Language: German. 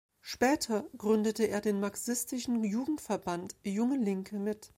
Später gründete er den Marxistischen Jugendverband „Junge Linke“ mit.